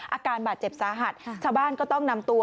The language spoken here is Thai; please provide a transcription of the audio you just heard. อาการบาดเจ็บสาหัสชาวบ้านก็ต้องนำตัว